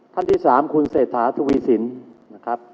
ท่านที่๓คุณเศรษฐาทวีสินนะครับ